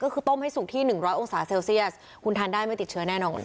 ก็คือต้มให้สุกที่๑๐๐องศาเซลเซียสคุณทานได้ไม่ติดเชื้อแน่นอน